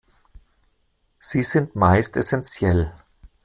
Sie sind meist essentiell.